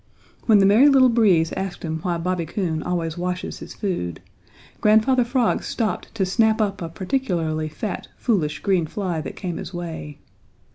When the Merry Little Breeze asked him why Bobby Coon always washes his food, Grandfather Frog stopped to snap up a particularly fat, foolish, green fly that came his way.